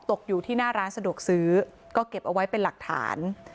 ตกอยู่ที่หน้าร้านสะดวกซื้อก็เก็บเอาไว้เป็นหลักฐาน